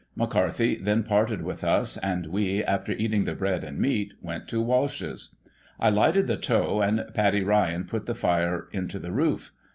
McCarthy then parted with us, and we, after eating the bread and meat, went to Walsh's. I lighted the tow, and Paddy Ryan put the fire into the roof.